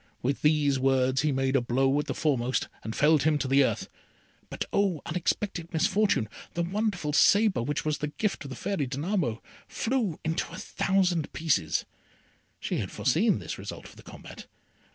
With these words he made a blow at the foremost, and felled him to the earth. But oh, unexpected misfortune! the wonderful sabre, which was the gift of the Fairy Danamo, flew into a thousand pieces. She had foreseen this result of the combat.